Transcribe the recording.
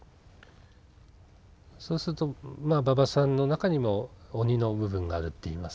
そうすると馬場さんの中にも鬼の部分があるっていいますか。